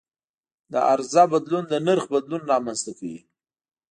د عرضه بدلون د نرخ بدلون رامنځته کوي.